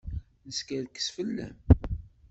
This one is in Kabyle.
Neskerkes fell-am.